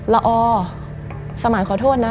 ละออสมานขอโทษนะ